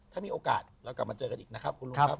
ถ้ามีโอกาสเรากลับมาเจอกันอีกนะครับคุณลุงครับ